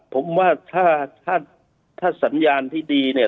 ผมว่าถ้าถ้าสัญญาณที่ดีเนี่ย